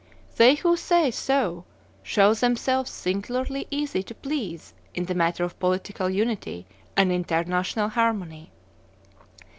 They who say so show themselves singularly easy to please in the matter of political unity and international harmony.